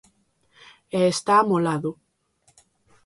E está amolado.